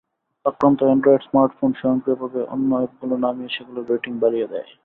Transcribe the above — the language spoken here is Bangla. আক্রান্ত অ্যান্ড্রয়েড স্মার্টফোন স্বয়ংক্রিয়ভাবে অন্য অ্যাপগুলো নামিয়ে সেগুলোর রেটিং বাড়িয়ে দেয়।